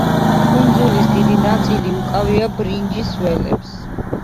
კუნძულის დიდი ნაწილი უკავია ბრინჯის ველებს.